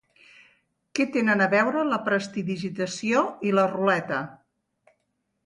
Què tenen a veure la prestidigitació i la ruleta?